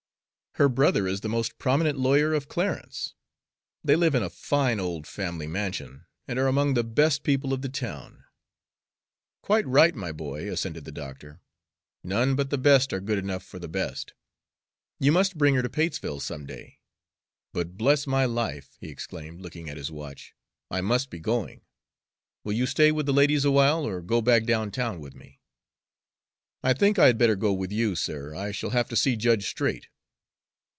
"Her brother is the most prominent lawyer of Clarence. They live in a fine old family mansion, and are among the best people of the town." "Quite right, my boy," assented the doctor. "None but the best are good enough for the best. You must bring her to Patesville some day. But bless my life!" he exclaimed, looking at his watch, "I must be going. Will you stay with the ladies awhile, or go back down town with me?" "I think I had better go with you, sir. I shall have to see Judge Straight."